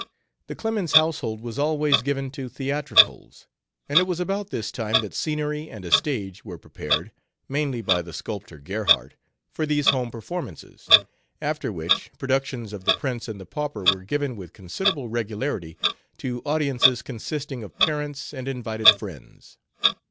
The Clemens household was always given to theatricals, and it was about this time that scenery and a stage were prepared mainly by the sculptor Gerhardt for these home performances, after which productions of The Prince and the Pauper were given with considerable regularity to audiences consisting of parents and invited friends.